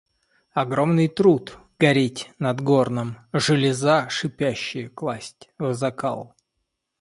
Огромный труд – гореть над горном, железа шипящие класть в закал.